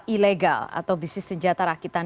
ilegal atau bisnis senjata rakitan